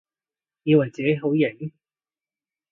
以為自己好型？